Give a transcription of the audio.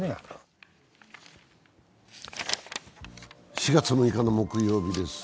４月６日の木曜日です。